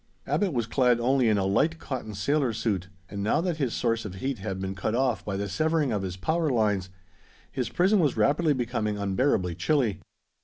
Abbot was clad only in a light cotton sailor suit, and now that his source of heat had been cut off by the severing of his power lines, his prison was rapidly becoming unbearably chilly.